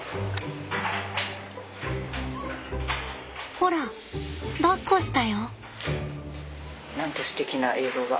ほらだっこしたよ。